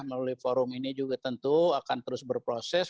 melalui forum ini juga tentu akan terus berproses